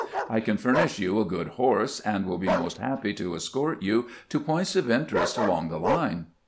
I can furnish you a good horse, and will be most happy to escort you to points of interest along the line."